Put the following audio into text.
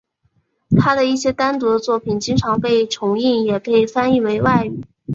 他的一些单独的作品经常被重印也被翻译为外语。